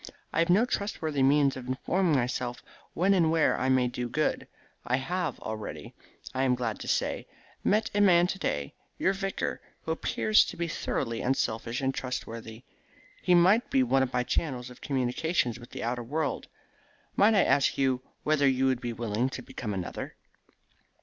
I have no trustworthy means of informing myself when and where I may do good. I have already, I am glad to say, met a man to day, your vicar, who appears to be thoroughly unselfish and trustworthy. He shall be one of my channels of communication with the outer world. Might I ask you whether you would be willing to become another?"